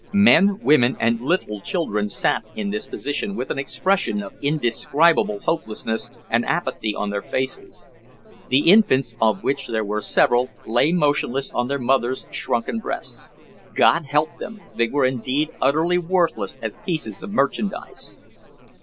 Men, women, and little children sat in this position with an expression of indescribable hopelessness and apathy on their faces. The infants, of which there were several, lay motionless on their mothers' shrunken breasts. God help them! they were indeed utterly worthless as pieces of merchandise.